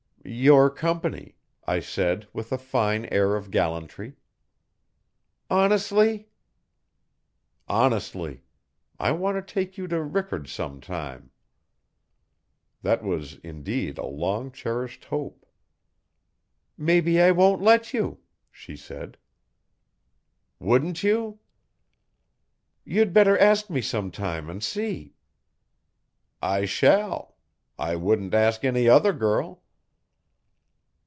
'Your company,' I said, with a fine air of gallantry. 'Honestly?' 'Honestly. I want to take you to Rickard's sometime?' That was indeed a long cherished hope. 'Maybe I won't let you,' she said. 'Wouldn't you?' 'You'd better ask me sometime and see.' 'I shall. I wouldn't ask any other girl.'